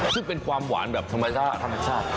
ซึ่งเป็นความหวานแบบธรรมชาติ